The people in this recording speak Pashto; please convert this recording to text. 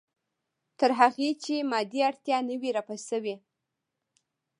تر هغې چې مادي اړتیا نه وي رفع شوې.